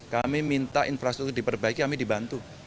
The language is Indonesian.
kami minta infrastruktur diperbaiki kami dibantu